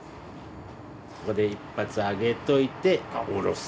ここで一発上げといて下ろす。